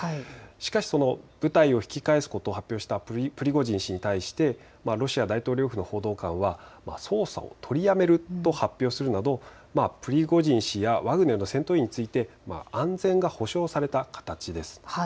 しかし部隊を引き返すことを発表したプリゴジン氏に対してロシア大統領府の報道官は捜査を取りやめると発表するなどプリゴジン氏やワグネルの戦闘員について安全が保証された形です。